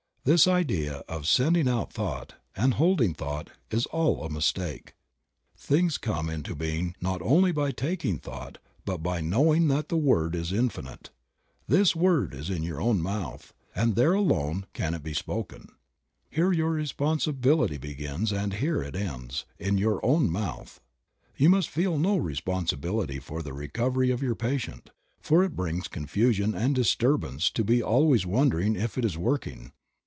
This idea of "sending out thought" and "holding thought" is all a mistake. Things come into being not only by "taking thought" but by know ing that the Word is in finite. This word is in your own 40 Creative Mind. mouth, and there alone can it be spoken. Here your responsibility begins and here it ends, in your own mouth. You must feel no responsibility for the recovery of your patient, for it brings confusion and disturbance to be always wondering if it is working.